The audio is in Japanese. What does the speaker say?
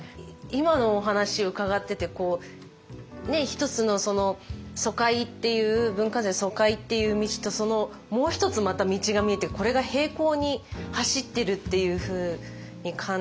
今のお話伺ってて一つの疎開っていう文化財の疎開っていう道ともう一つまた道が見えてこれが並行に走ってるっていうふうに感じて。